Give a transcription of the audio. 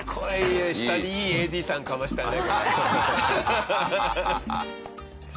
下にいいＡＤさんかましたね。